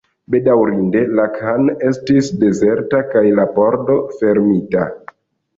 Bedaŭrinde, la khan estis dezerta, kaj la pordo fermita.